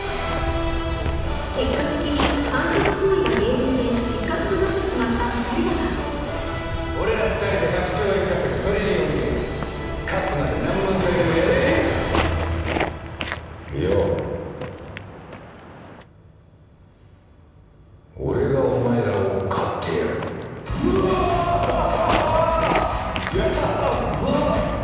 結果的に反則行為が原因で失格となってしまった２人だが俺ら２人で１００兆円稼ぐトリリオンゲーム勝つまで何万回でもやりゃあいいよう俺がお前らを買ってやるうわーっはっはっはヤッバ！